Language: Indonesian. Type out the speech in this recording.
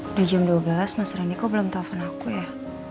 udah jam dua belas mas rendy kok belum telfon aku ya